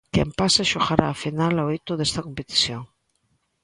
Quen pase xogará a final a oito desta competición.